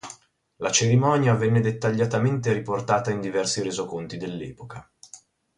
La cerimonia venne dettagliatamente riportata in diversi resoconti dell'epoca.